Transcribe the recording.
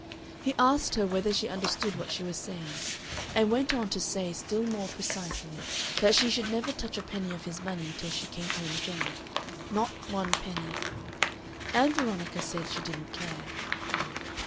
He asked her whether she understood what she was saying, and went on to say still more precisely that she should never touch a penny of his money until she came home again not one penny. Ann Veronica said she didn't care.